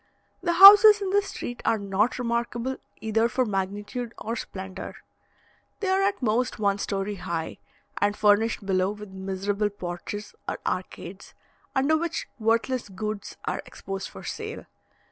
The houses in this street are not remarkable either for magnitude or splendour; they are at most one story high, and are furnished below with miserable porches or arcades, under which worthless goods are exposed for sale.